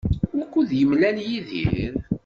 Wukud d-yemlal Yidir?